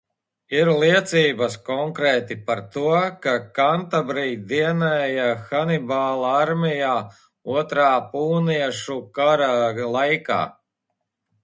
Ir liecības, konkrēti, par to, ka kantabri dienēja Hanibāla armijā Otrā Pūniešu kara laikā.